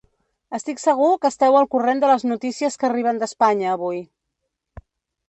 Estic segur que esteu al corrent de les notícies que arriben d’Espanya avui.